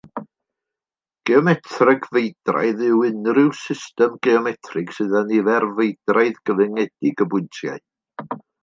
Geometreg feidraidd yw unrhyw system geometrig sydd â nifer feidraidd, gyfyngedig o bwyntiau.